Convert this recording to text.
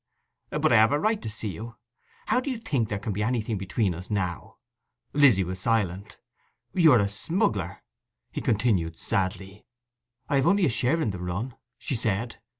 'But I have a right to see you! How do you think there can be anything between us now?' Lizzy was silent. 'You are a smuggler,' he continued sadly. 'I have only a share in the run,' she said.